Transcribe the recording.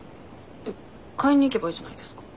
買いに行けばいいじゃないですか。